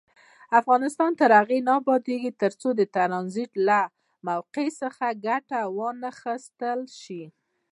افغانستان تر هغو نه ابادیږي، ترڅو د ټرانزیټ له موقع څخه ګټه وانخیستل شي.